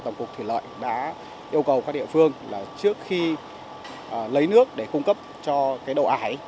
tổng cục thủy lợi đã yêu cầu các địa phương trước khi lấy nước để cung cấp cho độ ải